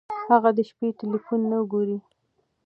هغه د شپې ټیلیفون نه ګوري.